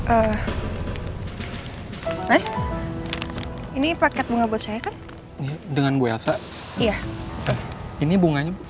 eh eh hai ini paket bunga buat saya kan dengan gue ya iya ini bunganya